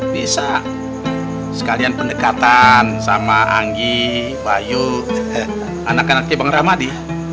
bisa sekalian pendekatan sama anggi bayu anak anaknya bang rahmadi